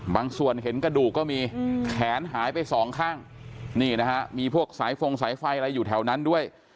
ส่วนเห็นกระดูกก็มีแขนหายไปสองข้างนี่นะฮะมีพวกสายฟงสายไฟอะไรอยู่แถวนั้นด้วย